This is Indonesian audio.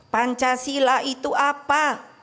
pancasila itu apa